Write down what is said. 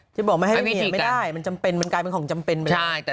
จะบอกมันให้เหนียกไม่ได้มันจำเป็นมันกลายเป็นของจำเป็นไปแล้วใช่